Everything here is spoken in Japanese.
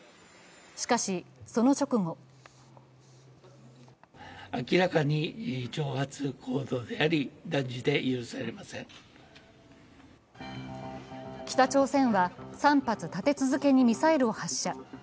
しかし、その直後北朝鮮は３発立て続けにミサイルを発射。